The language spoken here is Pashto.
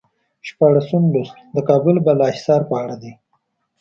شپاړسم لوست د کابل بالا حصار په اړه دی.